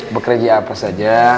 bekerja apa saja